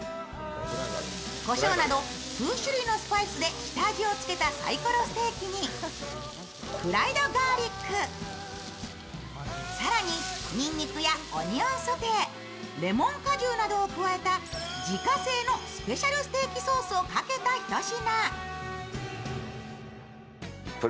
こしょうなど数種類のスパイスで下味をつけたサイコロステーキにフライドガーリック更に、にんにくやオニオンソテーレモン果汁などを加えた自家製のスペシャルステーキソースをかけたひと品。